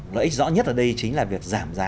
lợi ích rõ nhất ở đây chính là việc giảm giá